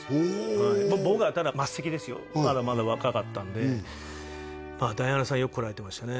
はい僕はただ末席ですよまだまだ若かったんでまあダイアナさんよく来られてましたね